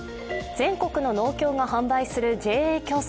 全国の農協が販売するＪＡ共済。